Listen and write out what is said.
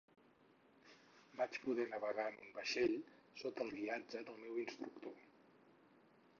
Vaig poder navegar en un vaixell, sota el guiatge del meu instructor.